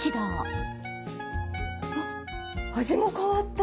あっ味も変わった！